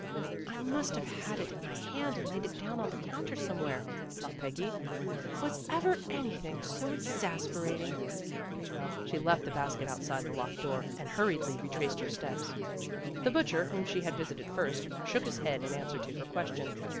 "I must have had it in my hand and laid it down on the counter somewhere," thought Peggy. 1 1 Was ever anything so exasperating. '' She left the basket outside the locked door, and hurriedly retraced her steps. The butcher, whom she had visited first, shook his head in answer to her question.